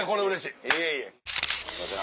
すいません